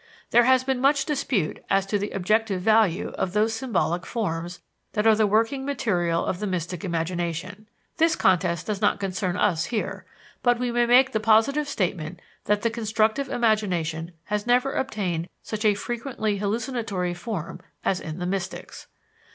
There has been much dispute as to the objective value of those symbolic forms that are the working material of the mystic imagination. This contest does not concern us here; but we may make the positive statement that the constructive imagination has never obtained such a frequently hallucinatory form as in the mystics.